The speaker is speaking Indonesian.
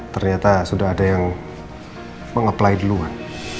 ternyata sudah ada yang meng apply duluan